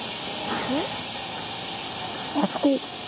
あそこ。